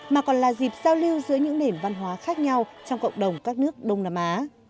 mà còn là dịp giao lưu giữa những nền văn hóa khác nhau trong cộng đồng các nước đông nam á